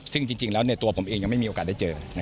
ซึ่งจริงแล้วตัวผมเองยังไม่มีโอกาสได้เจอ